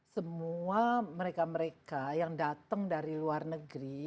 semua mereka mereka yang datang dari luar negeri